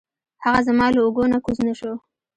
هغه زما له اوږو نه کوز نه شو.